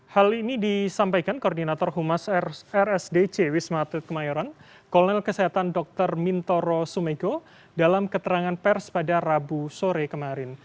hal ini disampaikan koordinator humas rsdc wisma atlet kemayoran kolonel kesehatan dr mintoro sumego dalam keterangan pers pada rabu sore kemarin